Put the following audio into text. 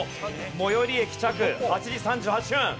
最寄り駅着８時３８分。